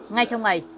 ngay trong ngày